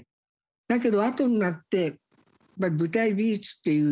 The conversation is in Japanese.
だけど後になって舞台美術っていう